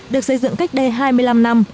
được xây dựng cách đây hai mươi năm năm